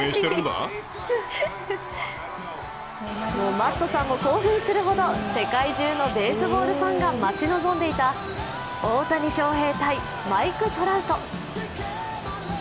マットさんも興奮するほど世界中のベースボールファンが待ち望んでいた大谷翔平対マイク・トラウト。